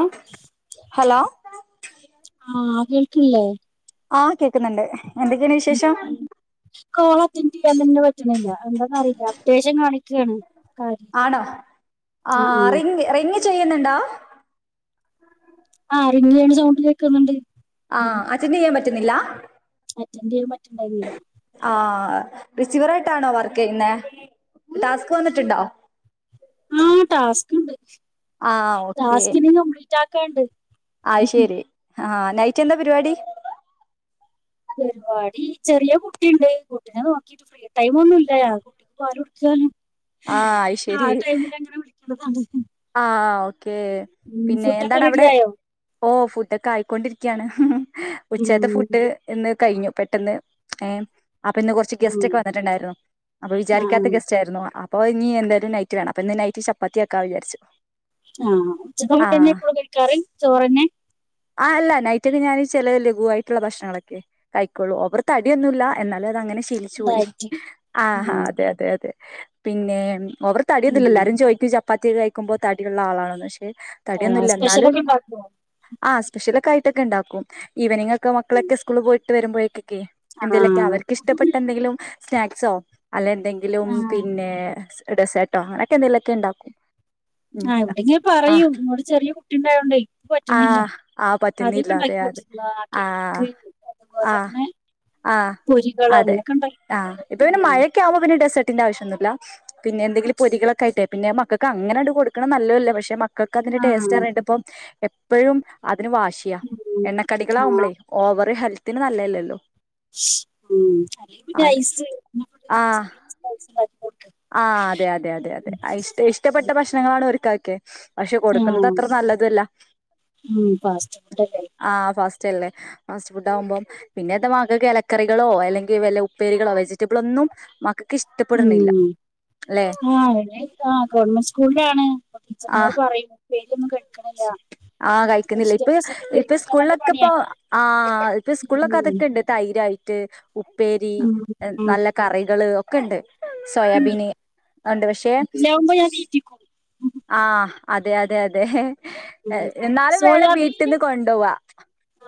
ആഹ് hello ആഹ് കേൾക്കില്ലെ ആഹ് കേക്ക്ന്ന്ണ്ട് എന്തൊക്കേണ് വിശേഷം കോള് അറ്റന്റ് ചെയാൻതെന്നെ പറ്റ്ണില്ല എന്താന്നറിയില്ല അപ്‌ഡേഷൻ കാണിക്കാണ് ആണോ ആഹ് റിങ്ങ് റിങ്ങ് ചെയ്യുന്നുണ്ടോ ആഹ് റിങ്ങെയ്യണ സൗണ്ട് കേക്കുന്നുണ്ട് ആഹ് അറ്റൻറ്റീയ്യാൻ പറ്റുന്നില്ല അറ്റൻറ്റീയ്യാൻ പറ്റ്ണ്ടായിനില്ല ആഹ് റിസീവർ ആയിട്ടാണോ വർക്കീയ്യുന്നേ ടാസ്ക് വന്നിട്ടുണ്ടോ ഉം ടാസ്ക് ഉണ്ട് ആഹ് ടാസ്ക് ഇനിം കംപ്ലീറ്റ് ആക്കാണ്ട് ആഹ് ശെരി ആഹ് നൈറ്റ് എന്താ പരിപാടി പരിപാടി ചെറിയ കുട്ടീണ്ട് കുട്ടിനെ നോക്കിട്ട് ടൈമ് ഒന്നും ഇല്ല കുട്ടിക്ക് പാല് കൊട്ക്കാണ് ആഹ് അത് ശരി ആഹ് ടൈമിലങ്ങനെ വിളിക്കും ഒന്ന് കണ്ടൊക്കിം ആഹ് ഓക്കേ പിന്നെ ഫുഡൊക്കെ എന്താണ് റെഡി അവിടെ ആയോ ഓ ഫുഡൊക്കെ ആയിക്കൊണ്ടിരിക്കാണ് ഉം ഉച്ചേത്തെ ഫുഡ് എന്ന് കഴിഞ്ഞു പെട്ടെന്ന് ഏഹ് അപ്പൊ ഇന്ന് കൊറച്ച് ഉം ഗസ്റ്റ് ഒക്കെ വന്നിട്ടുണ്ടായിരുന്നു അപ്പൊ വിചാരിക്കാത്ത ആഹ് ഗസ്റ്റ് ആയിരുന്നു അപ്പോ നി എന്തായാലും നൈറ്റ് വേണം അപ്പോ ഇന്ന് നൈറ്റ് ചപ്പത്തിയാക്കാന്ന് വിചാരിച്ചു ആഹ് ഉച്ചക്കുള്ള ആ കഞ്ഞിയാഎപ്പോഴും കഴിക്കാറ് ചോറന്നെ ആഹ് അല്ല നൈറ്റൊക്കെ ഞാൻ ചില ലഘുവായിട്ടുള്ള ഭക്ഷണങ്ങളൊക്കെ കഴിക്കൊള്ളൂ ഓവർ തടിയൊന്നുല്ല എന്നാലും അത് അങ്ങനെ തിൽച്ച് പോയി ഡയറ്റ് ഉം ആഹ് അതെ അതെ അതെ പിന്നെ അവർ ഉം തടിയൊന്നൂല്ലല്ലാരും ചോദിക്കും ചപ്പാത്തിക്ക കഴിക്കുമ്പോ തടി ള്ള ആളാണോ ന്ന് ആഹ് തടിയൊന്നുംല്ല എന്നാലും സ്പെഷ്യലൊക്കെ ഉണ്ടാക്കോ? ആ സ്പെഷ്യലൊക്കെ ആയിട്ടൊക്കെ ഉണ്ടാക്കും ഈവനിങ് ഒക്കെ മക്കളൊക്കെ സ്കൂള് പോയിട്ട് വരുമ്പോഴേക്കൊക്കെ എന്തേലൊക്കെ ആഹ് അവർക്ക്ഷ്ടപ്പെട്ട എന്തെങ്കിലും സ്നാക്സോ അല്ല എന്തെങ്കിലും ആഹ് പിന്നെ ഡെസേട്ടോ അങ്ങനെക്കെ എന്തെങ്കിലുമൊക്കെ ഉണ്ടാക്കും ഉം ആഹ് ഇവിടെ ഇങ്ങനെ ആ പറയും ഇവിടെ ചെറിയ കുട്ടി ഉണ്ടായോണ്ടേ ആ പറ്റണില്ല ആ ആദ്യക്കെ പറ്റുന്നില്ല ഉണ്ടാക്കി അതെ അതെ കൊടുത്തിട്ടുള്ളാ ആ ആ [unintelligible] ആഹ് പൊരികളാ അങ്ങനെയൊക്കെ ഉണ്ടായി [unintelligible] ആവുമ്പോൾ പിന്നെ ഡെസർട്ടിന്റെ ആവശ്യൊന്നില്ല പിന്നെ എന്തെലും പൊരികളൊക്കെയായിട്ടേ പിന്നെ മക്ക അങ്ങനെ അങ്ങട് കൊടുക്കണ നല്ലല്ലോ പക്ഷെ മക്കൾക്ക് അതിന്റെ ടേസ്റ്റ് ആഹ് അറിഞ്ട്ട് പ്പൊ എപ്പോഴും അതിന് വാശിയാ ഉം ആഹ് എണ്ണക്കടികളാവുമ്പളെ ഓവർ ഹെൽത്തിന് നല്ലല്ലല്ലോ മ് പിന്നെ അതെ ഐസ് [inaudible] ആഹ് ഫ്രീസറി ആഹ് അതെ അതെ അതെ അതെ അഇഷ്ട ഇഷ്ടപ്പെട്ട ഭക്ഷണങ്ങളാണ് ഓര്ക്കൊക്കെ പക്ഷെ കൊടുക്കുന്നത് ആഹ് അത്ര നല്ലതല്ല ഉം ഫാസ്റ്റ് ഫുഡല്ലേ ആഹ് ഫസ്റ്റ്ല്ലേ ഫാസ്റ്റ് ഫുഡ് ആവുമ്പോം പിന്നെന്റ മക്കക്ക് ഇലക്കറികളോ അല്ലെങ്കിൽ വല്ല ഉപ്പേരികളോ വെജിറ്റബിള് ഒന്നും മ ഇഷ്ടപ്പെടണില്ല ഉം അല്ലെ ആഹ് ആ ഗവൺമെന്റ് സ്കൂളിലാണ് അപ്പൊ ആഹ് ടീച്ചർമാർ പറയൂ പേര് [unintelligible] ക്കണില്ല ആഹ് കഴിക്കുന്നില്ല ഇപ്പൊ ഇപ്പൊ നല്ല സ്കൂളിലൊക്കെ പണിയാ ഇപ്പോ ആഹ് ഇപ്പൊ സ്കൂളൊക്കെ അതൊക്കെ ഉണ്ട് തൈരായിട്ട് ഉപ്പേരി ഉം ഉം നല്ല കറികള് ഒക്കെ ഉണ്ട് സോയാബീന് ഉണ്ട് പക്ഷെ [unintelligible] തീറ്റിക്കും ആഹ് അതെ അതെ അതെ ഉം എന്നാലും വേണം വീട്ടിൽന്ന് കൊണ്ടോവാ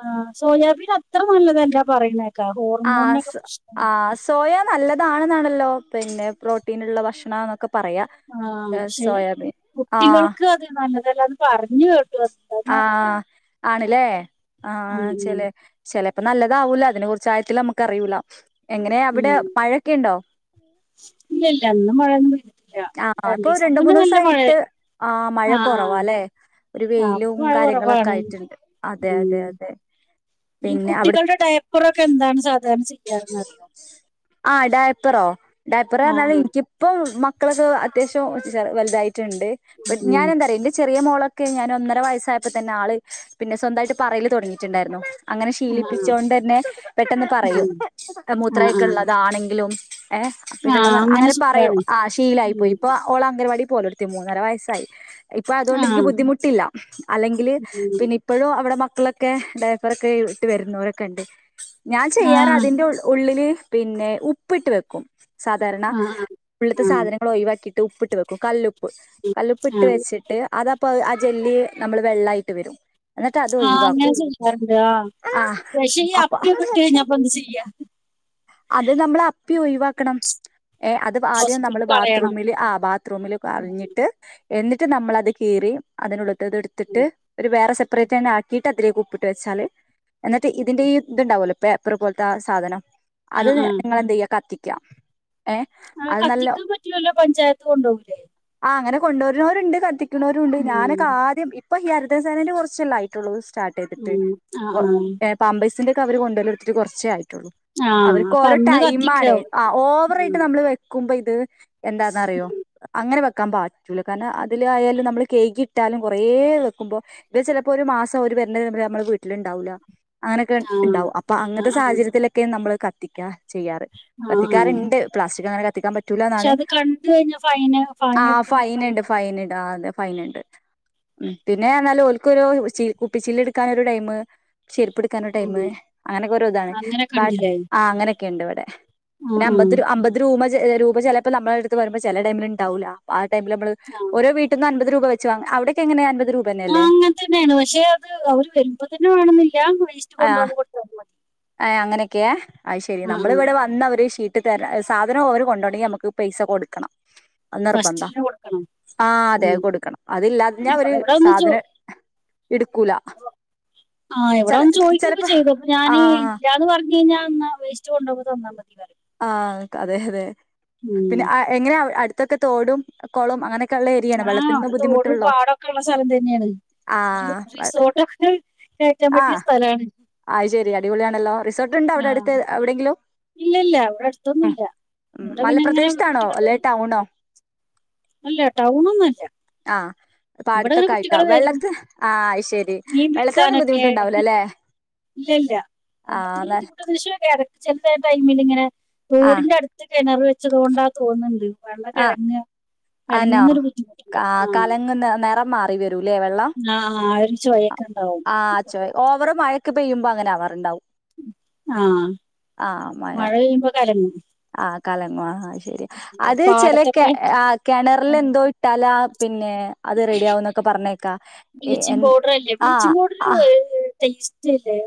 ആഹ് സോയാബീൻ അത്ര നല്ലതല്ലാ പറയുന്നേക്കാ ഹോർമോണിനൊക്കെ ആഹ് പ്രശ്ന ആഹ് സോയ നല്ലതാണെന്നാണല്ലോ പിന്നെ പ്രോട്ടീനുള്ള ഭക്ഷണാന്നൊക്കെ പറയാ ആഹ് പക്ഷെ സോയാബീൻ ആഹ് കുട്ടികൾക്ക് അത് നല്ലതല്ലാ പറഞ്ഞ് കേ ആഹ് ആണല്ലേ ഉം ആഹ് ഉം ചേലെ ചിലപ്പോ നല്ലതാവൂല അതിനെ കുറിച്ചഴത്തിൽ നമുക്ക് അറിയൂല എങ്ങനെയ അവിടെ ഉം മഴയൊക്കെ ഉണ്ടോ ഇല്ല ഇല്ല ഇന്ന് മഴയൊന്നുല്ല ഇല്ല ആഹ് ഇപ്പൊ രണ്ടീസം രണ്ട് മുന്നെ നല്ല മഴ മൂന്നൂസായിട്ട് മഴ ആഹ് കൊറവാല്ലേ ഒരു ആഹ് ആഹ് പ്പ വെയിലും മഴ കാര്യങ്ങളൊക്കെ കുറവാണ് ആയിട്ടുണ്ട് അതെ അതെ ഉം അതെ ഈ പിന്നെ അവിടു കുട്ടികളുടെ ഡയ പ്പറൊക്കെ എന്താണ് സാധാരണ ചെയ്യാ എന്നറിയോ ആഹ് ഡായപ്പറോ ഡായപ്പറ് ആ പറഞ്ഞാല് ആ ഇനിയ്ക്ക പ്പൊ മക്കളൊക്കെ അത്യാവശ്യം വലുതായിട്ടുണ്ട് ഉം, ഉം. ഞാനെന്താറിയോ ന്റെ ചെറിയ മോള് ക്കെ ഞാൻ ഒന്നര വയസ്സായപ്പോ തന്നെ ആള് പിന്നെ സ്വന്തയിട്ട് പറയൽ തോടങ്ങിയിട്ടുണ്ടായിരുന്നു അങ്ങനെ ആ ആ ശീലിപ്പിചോണ്ട് തന്നെ പെട്ടെന്ന് പറയും ഉം. ആ ആ മൂത്രയൊക്കെ ഉള്ളതാണെങ്കിലും ഏഹ് അപ്പം ആ ഇതെല്ലാം അങ്ങനെ പറയും സുഖാണ് ആ ശീലായിപ്പോയി ഉം. പ്പോ ഓള് അംഗൻവാടി പോലെടുത്തി മൂന്നര വയസ്സായി ഇപ്പൊ ആ അതുകൊണ്ട് എനിക്ക് ബുദ്ധിമുട്ടില്ല അല്ലെങ്കിൽ ഉം. പിന്നെ ഇപ്പഴും അവിടെ മക്കളൊക്കെ ഡൈപ്പറൊക്കെ ഇട്ട് വരുന്നവരൊക്കെണ്ട് ഞാൻ ആ ചെയ്യാറ ഉള്ളില് പിന്നെ ഉപ്പിട്ട് വെക്കും സാധാരണ ആ ആ ഉള്ളത്തെ ആ സാധനങ്ങൾ ഒഴവാക്കിട്ട് ഉപ്പ്ട്ട് വക്കും കല്ലുപ്പ് കല്ലു ഉപ്പു ആ. ഇട്ടു വെച്ചിട്ട് അത്പ്പ ആ ജെല്ലി നമ്മള് വെള്ളമായിട്ട് വരും എന്നിട്ട് അത് ആ അങ്ങനെ ഒഴിവാക്കും ചെയ്യാറുണ്ട് ആ ആഹ് പക്ഷെ ഈ അപ്പൊ അപ്പിയൊക്കെ ഇട്ട് കഴിഞ്ഞപ്പോ എന്ത് ചെയ്യാ അത് നമ്മൾ അപ്പി ഒഴിവാക്കണം ഏഹ് അത് ആദ്യം ഹോസ്പിറ്റലിൽ നമ്മള് കളയണം ബാത്റൂമിൽ ആ ബ ത്റൂമിൽ കളഞ്ഞിട്ട് എന്നിട്ട് നമ്മൾത് കീറി അതിനുള്ളത് ഇത് ഉം. എടുത്തിട്ട് ഒരു വേറെ സെപ്പറേറ്റ് തന്നെ ആക്കി അതിലേക്ക് കുപ്പിട്ട് വെച്ചാല് എന്നിട്ട് ഇതിന്റെ ഇതുണ്ടാവല്ലോ പേപ്പർ പോലത്തെ ആ സാധനം ആ അത് ആ നിങ്ങെളെന്തയ്യാ കത്തിക്ക ഏ ആഹ് അത് നല്ല കത്തിക്കാൻ പറ്റില്ലല്ലോ പഞ്ചായത്ത് കൊണ്ടുപോകൂലേ ആ അനെ കൊുവരുന്നവരുണ്ട് കത്തിക്കുന്നവരുണ്ട് ഞാനൊക്കെ ഉം. ആദ്യം ഇപ്പൊ ഈ ഹരിത സേനെന്റെ കുറച്ചല്ല ആഴി ട്ടൊള്ളത് സ്റ്റാർട്ട് ചെയ്തിട്ട് ഉം. ആ ആ പാമ്പേസിന്റെ ഒക്കെ അവര് കൊണ്ടോവല് തൊടുത്തിട്ട് കുറച്ചേ ആയിട്ടുള്ളൂ ആ അവർക്ക് അപ്പൊ ഓരോ അന്ന് ടൈം ആണ് കത്തിക്കാവൂലേ ആ ഓവറയിട്ട് ഉം. നമ്മള് വക്കുമ്പോ ഇത് എന്താന്നറിയോ ഉം. അങ്ങനെ വെക്കാൻ പാ റ്റൂല കാരണം അതിലായാലും നമ്മൾ കഴുകി ഇട്ടാലും കുറേ വെക്കുമ്പോൾ ഇപ്പ ചിലപ്പോ ഒരു മാസം ഒരു വര്ണ ടൈമിൽ നമ്മള് വീട്ടിലുണ്ടാവൂല്ല അങ്ങനെയൊക്കെ ആ ഉണ്ടാവും അപ്പൊ ആ അങ്ങനത്തെ ആ സാഹചര്യത്തിലൊക്കെ നമ്മള് കത്തിക്ക ചെയ്യാറ് ആ ആ കത്തിക്കാറുണ്ട് പ്ലാസ്റ്റിക് അങ്ങനെ കത്തിക്കാൻ പറ്റ പക്ഷെ റ്റൂലാന്നാണ് അത് കണ്ട് കഴിഞ്ഞാ ഫൈന് ഫൈൻ ആ എടുക്കുന്നൊക്കെ പറഞ്ഞു ഫൈൻണ്ട് ഫൈൻണ്ട് അതെ ഫൈൻ ഉണ്ട് ഉം പിന്നെ പർഞാല് ഓല്ക്ക് ഒരു ച കുപ്പിച്ചില്ല് എടുക്കാന് ഒരു ടൈം ചെരിപ്പ് എടുക്കാനുള്ള ടൈമ ഉം അങ്ങനെക്കെരോ ഇതാണ് അങ്ങനെ ബട്ട കണ്ടില്ലേ ആ അങ്ങനെയൊക്കെ ഉണ്ട് ഇവിടെ ആ പിന്നെ ആ അമ്പത് അമ്പത് രൂപ രൂപ ചിലപ്പോ നമ്മളെടുത്ത് വരുമ്പോ ചില ടൈമിൽ ഇണ്ടാവൂല ആ ടൈമില് നമ്മള് ആ ഓരോ വീട്ട്ന്ന് അൻപത് രൂപ വച്ച് വാങ്ങും അവിടേക്ക എങ്ങനെയ അൻപത് രൂപ ആ തന്നെയല്ലേ അങ്ങനെ തന്നെയാണ് പക്ഷെ അത് അവര് വരുമ്പോ തന്നെ വേണന്നില്ലേ വേസ്റ്റ് കൊണ്ടുപകുമ്പോ കൊടുത്താ മതി. അങ്ങനൊക്കെയെ അ ശരി ആ ആ നമ്മളിവിടെ വന്ന അവരെ ഷി ഇട്ട് തര സാധനം അവര് കൊണ്ടോണൻ ങ്കിൽ നമുക്ക് പൈസ കൊടുക്കണം നിർബന്ധ ഫസ്റ്റില് കൊടുക്കണം ആഹ് അതെ ഉം കൊടുക്കണം അതില്ലാഞ്ഞാ അവര് സാധനം ഇടുക്കൂല ആഹ് എവിടെ ഒന്ന് ചോദിക്കൊക്കെ ചെലപ്പോ ചെയ്തു അപ്പൊ ആ ഞാന് ഇല്ലാന്ന് പറഞ്ഞ ഇല്ലങ്കിൽ ഞാൻ ന്നാ വേസ്റ്റ് കൊണ്ട് പോകുമ്പോ തന്നാ മതി പറയും. ആ അതെ അതെ ഉം പിന്നെ എങ്ങനെ അടുത്തൊക്കെ തോടും കൊളും അങ്ങനെ ഒക്കെ ആഹ് അവിടെ തോടും പാടമൊക്കെ ഉള്ള സ്ഥലം തന്നെയാണ് ആ ഒരു റിസോർട്ടൊക്കെ കേക്കാൻ പറ്റിയ സ്ഥലാണ് അഹ് ശരി അടിപൊളിയാണല്ലോ റിസോർട്ട്ണ്ടോ അവിടെ ആ അടുത്ത് എവിടെയെങ്കിലും ഇല്ല ഇല്ല അവിടെ അടുത്തൊന്നുംല്ല ഇവിടെ പിന്നെ ഇങ്ങനെ ഇങ്ങനെ കുട്ടികൾ വരും ടൗണൊ അല്ല ടൗണ് ഒന്നും അല്ല ആഹ് ഇവിടെ പാടത്ത് അങ്ങനെ ഒകെ ആയിട്ടോ കുട്ടികള് വരും വെള്ളത്തിന് ആഹ് ശരി മീൻ വെള്ളത്തിനൊന്നും ബുദ്ധിമുട്ട് ഉണ്ടാവലോ അല്ലേ ഇല്ല ഇല്ല വെള്ളത്തിന് ബുദ്ധിമുട്ട് പക്ഷേ ചെല ടൈമിൽ ഇങ്ങനെ ആഹ് തോടിന്റെ അടു ത്ത് കിണർ വെച്ചതു കൊണ്ടാ തോന്നുന്നുണ്ട് വെള്ള ആഹ് കലങ്ങാ കലങ്ങുന്നൊരു ബുദ്ധിമുട്ടുണ്ട് ആഹ് അ നിറം മാറി വരൂല്ലേ വെള്ളം ആ ആ ആ ഒരു ചൊയ ഓക്ക ഉണ്ടാവും ആഹ് ഓവറ് മഴക്ക് പെയ്യുമ്പോ അങ്ങനെ ആവാറുണ്ടാവും ആഹ് മഴ [unintelligible] കഴിയുമ്പോ കലങ്ങും ആ കലങ്ങു ആഹ് ശരി അത് ചെില പാടത്തൊക്കെ കിണറൽ എന്തോ ഇട്ടാല പിന്നെ അത് റെഡി ആകും ന്നൊക്കെ പറഞ്ഞേക്കാം എ ബ്ലീച്ചിങ് പൗഡർ അല്ലേ ആ ബ്ലീച്ചിങ് പൗഡർ ടേസ്റ്റ് ഇല്ലേ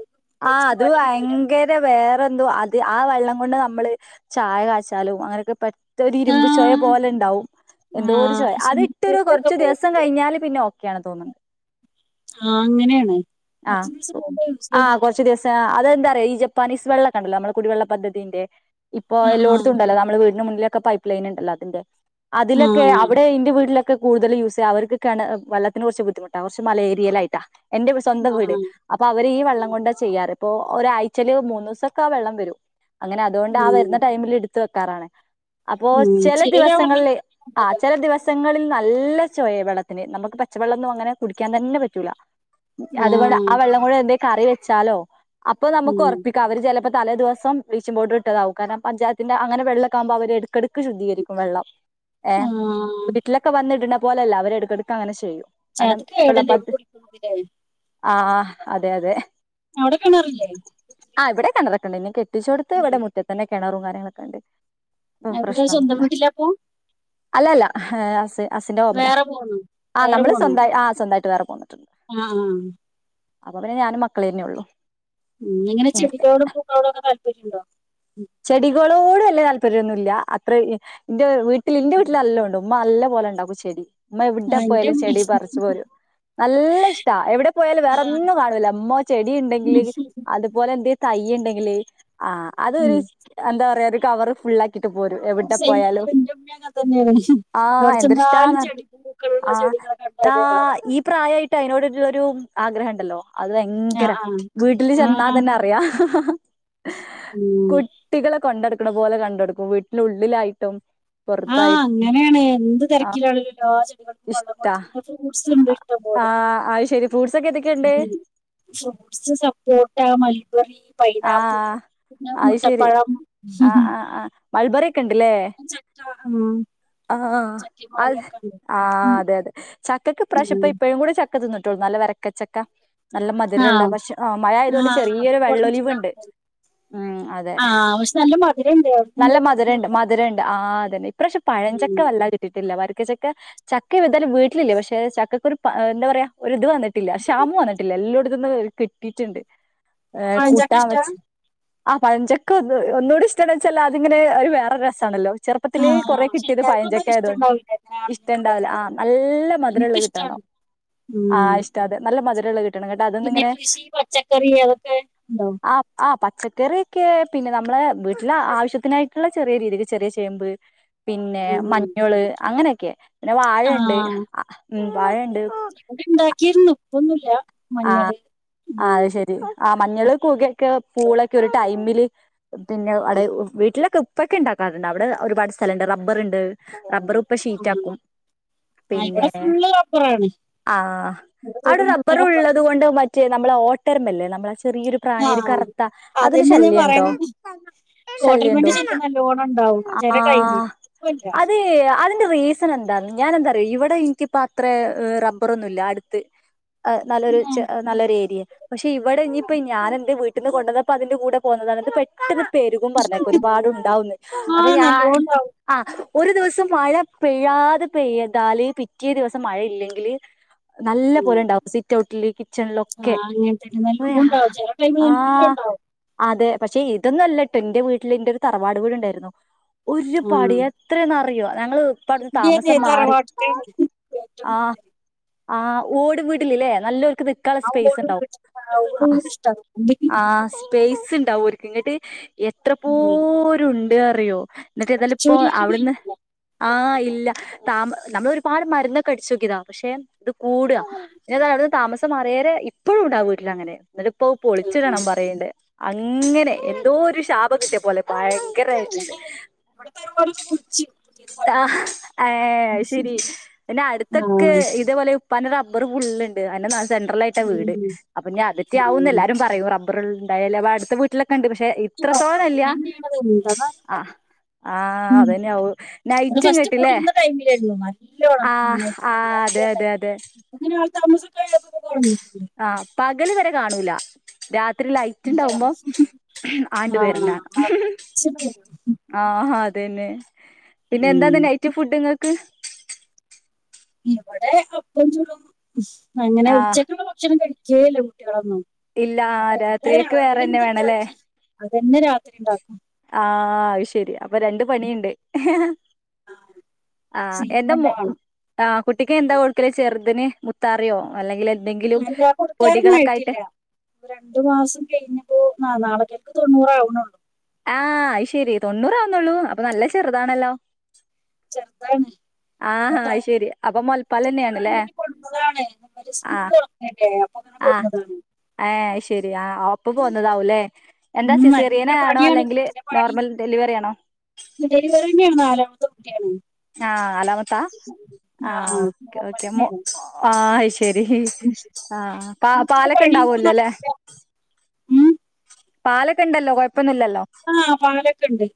ആഹ് അത് ഭയങ്കര വയങ്കര വേറെന്തോ അത് ആ വെള്ളം കൊണ്ട് നമ്മള് ചായ കായച്ചാലും അങ്ങനെയൊക്കെ പ ഇതൊരു ആ ഇരുമ്പു ചൊയപോലെ ഇണ്ടാവും ആ എന്തോ ഒരുചൊയ ഈ അത് സ്വിമ്മിംഗ് ഇട്ടൊരു പൂളിലൊക്കെ കൊർച്ച് ദിവസം സം പോകും കിഞ്ഞാല് പിന്നെഓക്കെയാണ് തോന്ന്ണ്. ആഹ് അങ്ങനെണ് കൊർച് ദിവസംമുമ്പേ യൂസെയ്യാൻ പറ്റൊള്ളൂ. ആഹ് അതെന്താറിയോ ഈ ജപ്പാനീസ് വെള്ളം കണ്ടല്ലോ ന്നമ്മളെ കുടിവെള്ള പദ്ധതിന്റെ ഇപ്പൊ ആ ആ എല്ലോട്ത്തുംണ്ടല്ലോ ന്നമ്മളെ വീടിന്റെ മുന്നിലൊക്കെ പൈപ്പ് ലൈൻ ഇണ്ടല്ലോ അതിന്റെ അതിലൊക്കെ ആഹ് അവിടെ ഇന്റെ വീട്ട്ല് ക്ക് കൂടുതൽ യൂസെയ്യാ അവർക്ക് കെണ വെള്ളത്തിന് ബുദ്ധിമുട്ട കൊർച്ച് മലയേരീലായിട്ടാ എന്റെ സ്വന്തം ആഹ് വീട് ആഹ് അപ്പൊ അവര് ഈ വെള്ളം കൊണ്ട് ചെയ്യാറ് ഇപ്പൊ ഒരാഴ്ചയില് മൂന്നൂസൊക്കെ ആ വെള്ളംവെരും. അങ്ങനെ അതുകൊണ്ട് ആ ഉം വരുന്ന ടൈമിൽ എടുത്ത് വെക്കാറാണ്. അപ്പോ ഉം ചെലെ ചിലര് ആ വെള്ളം ദിവസങ്ങളില് ആ കുടിക്കുന്നുണ്ടല്ലോ ചെല ദിവസ് ചില ദിസങ്ങളിൽ ന്നല്ല ചൊയെ വെള്ളത്തിന് ന്നമുക്ക് പച്ചവെള്ളമൊന്നും അങ്ങനെ കുടിക്കാൻ തന്നെപറ്റൂല. അതുകൊണ്ട് ആഹ് ആ വെള്ളംകൊണ്ട് എന്തെലു കറിവെച്ചാലോ അപ്പൊ ന്നമുക്ക് ഉം ഒറപ്പി ക്കാ അവർ ചെലെപ്പം തലേ ദിവസം ബ്ലീച്ചിങ് പൗഡർ ഇട്ടതാവും കാരണംപഞ്ചായത്തിന്റെ അങ്ങനെവെള്ളക്കാമ്പോ അവര്ട് എടുകെടുക്ക് ശുദ്ധീകരിക്കും വെള്ളം. ഏഹ് ആഹ് വീട്ടിലൊക്കെ വന്നിടുന്ന പോലെയല്ല അവര് എട്ക്കെട്ക്ക് അങ്ങനെചെയ്യും. എ അത് കേടല്ലേ കുടിക്കുന്നതിന് ആഹ് അതെ, അതെ ഔടെ കെണറില്ലേ? ആഹ് ഇവടെ കിണറൊക്കെണ്ട് ഇന്നെ കെട്ടിച്ചോട്ത്ത് ഇവടെ ഉം മുറ്റതെന്നെ കെണറും കാര്യങ്ങളൊക്കെണ്ട്. പ്പോ അവിടെ സ്വന്തം പ്രശ്നൊന്നുല്ല വീട്ടിലാപ്പോ അല്ലല്ലാ ഹെ ഹസ് ഹസിന്റെ ഹോമില വേറെ പോന്നോ ആഹ് വേറെ നമ്മള് പോന്നോ സ്വന്തയ് ആഹ് സ്വന്തായിട്ട് വേറെപോന്നു. ആഹ് ആഹ് അപ്പൊ പിന്നെ ഞാനും, മക്കളെന്നെ ഒള്ളു ഉം എങ്ങനെ ചെടിനോടും പൂക്കളോടും ഒക്കെ താല്പര്യണ്ടോ? ചെടികളോട് വല്ല്യാ താല്പര്യന്നുല്ല അത്ര ഇന്റെ വീട്ടില് ഇന്റെ വീട്ടില്ന്നല്ലോം [unintelligible] ഇമ്മന്നല്ല പോലെ ഇണ്ടാക്കും ചെടി ഇമ്മ എവിടെ ആഹ് എന്റെ പോയാലും ചെടി ഉമ്മീം പറിച്ച് പോരും. ന്നല്ല ഇഷ്ട്ടാ എവിടെ പോയാലും ആഹ് വേറെന്നും കാണൂല ഇമ്മ ചെടി ഇണ്ടെങ്കില് ഉം അതുപോലെ എന്തേം തയ്യ് ഇണ്ടെങ്കില് ആഹ് ഉം അതൊരു എന്താ പറയാ ഒരുകവറ് ഫുള്ളാ ത്തിട്ട് പോരും എവിടെ സെയിം പോയാലും എന്റെ ഉമ്മീം അങ്ങനെ തന്നെയാണ് ആഹ് എവിടെ എന്തൊരു ഇഷ്ട്ടാ ചെന്നാലും ചെടി പൂക്കളുള്ള ആഹ് ചെടികളെ താ കണ്ടാല് അവിടെ വന്ന് ഈ പ്രായായിട്ട് അയ്നോടുള്ളൊരു ആഗ്രഹം ഇണ്ടല്ലോ അത് ഭയ ഇങ്കര ആഹ് വീട്ടില് ആഹ് ആഹ് ചെന്നാതന്നെ അറിയാ ഉം കു കുട്ടികളെ കൊണ്ടട്ക്ണെ പോലെ കോണ്ടട്ക്കും വീട്ടിനുള്ളിലായിട്ടും ആഹ് അങ്ങനെണ് എന്ത് ആ തെരക്കിലാണല്ലല്ലോ എല്ലാ ചെടികൾക്കും വെള്ളം കൊട്ത്ത് ഫ്രൂട്സ് ഇണ്ട് ആഹ് അഹ്ശെരി ഫ്രൂട്ട്സൊക്കെ ഏതൊക്കെണ്ട്? ഫ്രൂട്ട്സ് സപ്പോട്ടാ, മൾബെറി ആ പൈനാപ്പിൾ, പിന്നെ മുട്ടപ്പഴം ആഹ് ആഹ് മൾബെറി ഒക്കെ ഇണ്ട്ലേ? ഉം ആഹ് ആഹ് ആഹ് അതെ അതെ ചക്കക്ക് ഇപ്രാവശ്യം ഇപ്പ ഇപ്പഴും കൂടെ ച ക്ക തിന്നിട്ടൊള്ളൂ നല്ല വരക്കച്ചക്ക ന്നല്ലെ മധുരള്ളെ ആഹ് പക്ഷെ ആഹ് മഴ ആയതോണ്ട് ആഹ് അത് ചെറിയൊരു വെള്ളൊലിവ്ണ്ട് കൊടന്നിട്ടുണ്ടാവും ഉം അതെ ആഹ് പക്ഷെ നല്ല മധുരണ്ട് അവിടുന്ന് ന്നല്ലെ എന്റെ വീട്ടിന്ന് മധുരണ്ട് കൊണ്ടുവന്നു മധുരണ്ട് ആഹ് അതെന്നെ ഇപ്രാവിശ്യം പ പഴം ചക്ക ഉം വല്ലാതെ കിട്ടീട്ടില്ല വര്ക്കച്ചക്ക ചക്ക ഏതാലും വീട്ടിലില്ല പക്ഷെ ചക്കക്കൊരു എന്താ പറയാ ഒരു ഇത് വന്നിട്ടില്ല ശ്യാമം വന്ന്ട്ടില്ല എല്ലോട്ത്ത്ന്നും കി കിട്ടീട്ട്ണ്ട് ഏഹ് പഴഞ്ചക്ക ഇഷ്ടാ കൂട്ടൻവെച്ച് ആഹ് പഴഞ്ചക്ക ഒന്ന് ഒന്നുകൂടെ ഇഷ്ട്ടെണ് വെച്ചാല് അതിങ്ങനെ ഒരു വേറെരു രസാണല്ലോ ചെറുപ്പത്തില് ആഹ് കൊറെ പക്ഷെ കിട്ടിയത് എല്ലാർക്കും ഒന്നും പയഞ്ചൊക്ക ആയതോണ്ട് ഇഷ്ടണ്ടാവില്ല ഇങ്ങനെ ആളിഞ്ഞു ഇഷ്ട്ടണ്ടാവൂല ആഹ് കൊണ്ടോയതൊന്നും ന്നല്ലെ മധുരള്ളത് കിട്ടണം. എനിക്കിഷ്ടാണ് ഉം റ്റാതെ ന്നല്ലെ മധുരള്ളെ കി പിന്നെ കൃഷി, പച്ചക്കറി അതൊക്കെ ഇണ്ടോ? ആഹ് പച്ചക്കറിയൊക്കെ പിന്നെ നമ്മളെ വീട്ടില് ആവശ്യത്തിനായിട്ട്ള്ള ചെറിയ രീതില് ചെറിയ ചേമ്പ് പിന്നെ ഉം മഞ്ഞള്, അങ്ങനെക്കെ പിന്നെ വാഴണ്ട് ആഹ് ഉം വാഴണ്ട് ഇവിടെ ഇണ്ടാക്കിരുന്നു ഇപ്പൊന്നുല്ല മഞ്ഞള് ഉം ആഹ് മഞ്ഞള്, കൂകയൊക്കെ, പൂളക്കെ ഒരു ടൈമില് പിന്നെ അടെ വീട്ടിലൊക്കെ പ്പക്കെ ഇണ്ടാക്കാറുണ്ട് അവിടെ ഒരുപാട് സ്ഥലണ്ട് റബ്ബർണ്ട് റബ്ബർ ഇപ്പ ഉം ഷീറ്റാക്കും ആഹ് ഇവിടെ പിന്നെ ഫുള്ള് റബ്ബറാണ് ആഹ് ഇവിടെ അവിടെ തൊടു മൊത്തം റബ്ബറാ റബ്ബറുള്ളതും കൊണ്ടും മറ്റേ നമ്മളെ ഓട്ടര്മല്ലേ നമ്മളെ ചെറിയൊരു പ്രാണി ഒരു ആഹ് കറുത്ത അതിന്റെ അതന്നെ ഞാൻ ശല്ല്യണ്ടോ? പറയുന്നത് ശല്ല്യണ്ടോ? കോട്ടൽമന്റെ ശല്യം നല്ലോണം ഇണ്ടാവും ചെല ആഹ് ടൈമില് ഇപ്പല്ല അത് അതി ന്റെ റീസണ് എന്താ ഞാന് എന്താറിയൊ ഇവടെ എനിക്കിപ്പ അത്രേ ഏഹ് റബ്ബറൊന്നും ഇല്ല അട്ത്ത് ആഹ് ന്നാലൊര് ച്ച് നല്ലൊരു ഏരിയ പക്ഷെ ഇവിടെ ഇനിയിപ്പോ ഞാൻ എന്റെ വീട്ടിന്ന് കൊണ്ടന്നപ്പോ അതിന്റെ കൂടെ പോുന്നതാ ഇത് പെ ട്ടെന്ന് പെരുകും പറഞ്ഞേക്ക ഒരുപാടുണ്ടാവുന്ന് അപ്പൊ ആഹ് ഞാൻ നല്ലോം ഇണ്ടാവും ആഹ് ഒരു ദിവസം മഴ പെയ്യാതെ പെയ്താല് പിറ്റേ ദിവസം മഴ ഇല്ലെങ്കില് നല്ല ഉം പോലെ ണ്ടാവും സിറ്റ് ഔട്ടില്. കിച്ചണിലൊക്കെ ആഹ് അങ്ങനെ തന്നെ നല്ലോം അതേയോ ഇണ്ടാവും ചെല ടൈമില് നല്ലോം ആഹ്. ഇണ്ടാവും അതെ പക്ഷെ ഇതൊന്നുല്ലട്ടോ ന്റെ വീട്ടില് ഇന്റെ ഒരു തറവാട് വീട് ഉണ്ടായിരുന്നു ഒരുപാട് ആഹ് യ ത്രെന്ന് അറിയോ ഞങ്ങള് ഇപ്പടട്ന്ന് ഇവിടെ അതെ താമസം മാറി. തറവാട്ടിലാണ് ഏറ്റവും ആഹ് കൂടുതല് ആഹ് ഓട് വീടിൽലേ നല്ല ഓല്ക്ക് വെ ക്കാൾ ആ സ്പേസ് ഓട് ണ്ടാവും വീട് ആ ഓട് വീട് ഇഷ്ടാ അതുകൊണ്ട് ആഹ്സ് സ്പേസ് ണ്ടാവും ഓർക്ക് ങ്ങട്ട് എത്ര ഉം പോരും ണ്ട് അറിയോ. ന്നട്ട് ഏതാലും ഇപ്പോ അടിച്ചോരിയാലും അവിടുന്ന് കഴിയൂല ആഹ് ഇല്ല. താമ നമ്മൾ ഒരുപാട് മരുന്നൊക്കെ അടിച്ചുനോക്കിയതാ പക്ഷെ ഇത് കൂടാ പിന്നെതയാലും താമസ സം മാറിയേരെ ഇപ്പഴും ഉണ്ടാവീട്ടിലങ്ങനെ ന്നിട്ടപ്പൊ ആഹ് പൊളിച്ചിടണം ന്ന് പറയ്ണ്ട്. അങ്ങനെ എന്തോ ഒരു ശാപകിട്ടിയ പോലെ ഭയ ഇവിടെ തറവാട്ടുന്നു പുട്ച്ച്. ആഹ് ഏഹ് അഹ് ശരി പിന്നെ അടുത്തൊക്കെ ആഹ് ഇതെ പോലെ- പ്പാന്റെ റബ്ബർ ഫുള്ള്ണ്ട് അയ്ന്റെ നടു സെന്ററിൽ ആയിട്ടാ വീട് അപ്പ ഞാ അതറ്റാവും എല്ലാരുംപറയും റ ബ്ബർ ണ്ടായല വടുത്ത വീട്ടിലക്കണ്ട് പക്ഷെ ഇ ഇത്ര തോനല്ല എന്താന്നറിയില്ല അഹ് ആഹ് അതന്നെയാവും. അത് ഫസ്റ്റ് കൂടിര്ന്ന ടൈമിലേരുന്നു ന്നാൽ ആഹ് ആഹ് അതെ അതെ അതെ. അങ്ങനെ ആൾ തമസൊക്കായപ്പം കൊറഞ്ഞു. ആഹ് പകല് ഇവരെ കാണൂല. രാത്രി ലൈറ്റ് ണ്ടാവുമ്പോ ആണ്ട് ആഹ് വര്ന്നാണ. നിറച്ച് പേരും ആഹ് അതന്നെ പിന്നെ എന്താ ഉം ഇന്ന് നൈറ്റ് ഫുഡ് ഇങ്ങക്ക്. ഇവടെ അപ്പം ചുടും അങ്ങനെ ആഹ് ഉച്ചക്കുള്ള ഭക്ഷണം കഴിക്കേല്ല കുട്ടിളൊന്നും. ഇല്ല അപ്പൊ എന്താ രാത്രിയേക്ക് രാവിലെ വേറെന്നെ വേണല്ലേ എന്ത്ണ്ടാക്കി അതന്നെ രാത്രിണ്ടാക്കും. ആഹ് അഹ് ശരിയാ. അപ്പൊ രണ്ട് പണിയുണ്ട് ആഹ് സെയിം എന്താ മോ തന്നെ വേണം ആഹ് കുട്ടിക്ക് എന്താ കൊട്ക്കല് ചെർതിന് മുത്താറിയോ അല്ലെങ്കില് അല്ല കൊടുക്കാനൊന്നും ആയിട്ടില്ല. രണ്ടു മാസം കഴിഞ്ഞപ്പോ അഹ് നാളെക്കേക്ക് തൊണ്ണൂറാവണള്ളൂ. ആഹ് അഹ് ശെരി തൊണ്ണൂറാവുന്നുള്ളൂ അപ്പൊ നല്ല ചെറുതാണല്ലോ. ചെർതാണ്. ആഹ് അഹ് ശരി അപ്പൊ മുലപ്പാലെന്നെണ്ലേ. അതാണ് അമ്മന്റെ സ്കൂള് തൊടങ്ങല്ലേ അപ്പൊ അങ്ങനെ ആഹ് കൊട്ന്നതാണ്. ഏഹ് അഹ് ശരി അഹ് ഓ പ്പൊ പോന്നതാവൂല്ലേ എന്താ ഉം നല്ല സിസേറിയനാണോ പണിയാണ് അല്ലെങ്കില് നോർമൽ ഡെലിവറി ആണോ. അല്ല ഡെലിവറിന്നെയാണ് നാലാമത്തെ കുട്ടിയാണ്. ആഹ് നാലാമ ത്ത ആ ആഹ് ആ ഓക്കെ നോർമൽ ഓക്കെ മോ തന്നെയാണ് ആഹ് അയ്ശേരി ആഹ് പ ഇത്തിരി പണി പാലൊക്കെണ്ടാവൊല്ലോലേ നടക്കും പാലൊക്കെണ്ടല്ലോ കൊഴപ്പൊന്നില്ലല്ലോ ആഹ് പാലൊക്കെണ്ട്